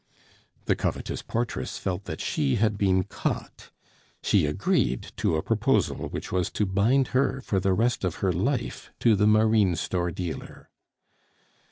The covetous portress felt that she had been caught; she agreed to a proposal which was to bind her for the rest of her life to the marine store dealer.